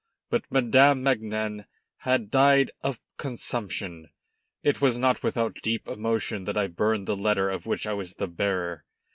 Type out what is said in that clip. But Madame Magnan had died of consumption. It was not without deep emotion that I burned the letter of which I was the bearer.